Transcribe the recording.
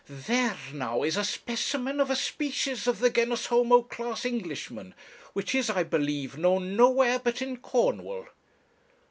'There, now, is a specimen of a species of the genus homo, class Englishman, which is, I believe, known nowhere but in Cornwall.'